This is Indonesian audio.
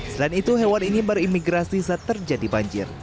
selain itu hewan ini berimigrasi saat terjadi banjir